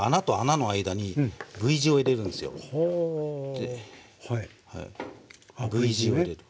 でＶ字を入れる。